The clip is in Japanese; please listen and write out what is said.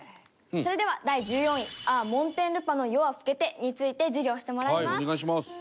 それでは、第１４位『あゝモンテンルパの夜は更けて』について授業してもらいます。